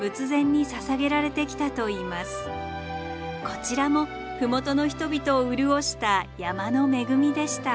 こちらも麓の人々を潤した山の恵みでした。